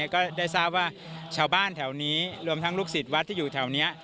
ก็ได้ทราบว่าชาวบ้านแถวนี้รวมทั้งลูกศิษย์วัดที่อยู่แถวนี้